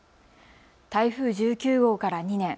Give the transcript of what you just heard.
台風１９号から２年。